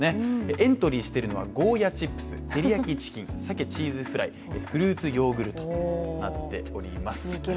エントリーしているのはゴーヤチップス、照り焼きチキン、さけチーズフライ、フルーツヨーグルトとなっております。